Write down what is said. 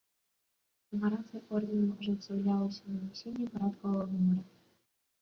Нумарацыя ордэнаў ажыццяўлялася нанясеннем парадкавага нумара.